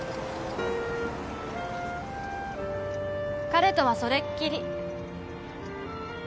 彼とはそれっきり。